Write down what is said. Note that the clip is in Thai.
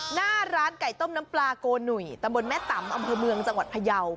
หน้าร้านไก่ต้มน้ำปลาโกหนุ่ยตำบลแม่ตำอำเภอเมืองจังหวัดพยาว